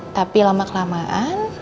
tapi lama kelamaan